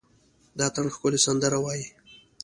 د اټن ښکلي سندره وايي،